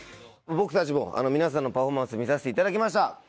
僕たちも皆さんのパフォーマンスを見させていただきました。